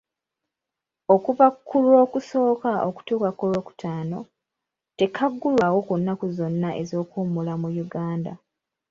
Okuva ku Lwokusooka okutuuka ku Lwokutaano, tekaggulwawo ku nnaku zonna ez'okuwummula mu Uganda.